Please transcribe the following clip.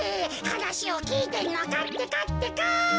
はなしをきいてんのかってかってか。